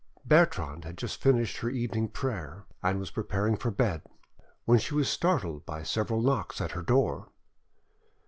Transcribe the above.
Bertrande had just finished her evening prayer, and was preparing for bed, when she was startled by several knocks at her door.